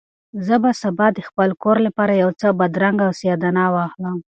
زه به سبا د خپل کور لپاره یو څه بادرنګ او سیاه دانه واخلم.